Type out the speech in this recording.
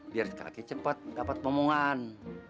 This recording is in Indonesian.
biar kaki cepat dapat omongan